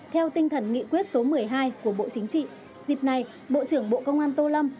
theo tinh thần nghị quyết số một mươi hai của bộ chính trị dịp này bộ trưởng bộ công an tô lâm